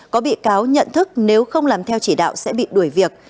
có bị cáo nhận thức nếu không làm theo chỉ đạo sẽ bị đuổi việc